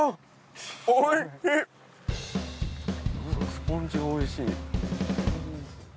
スポンジがおいしい。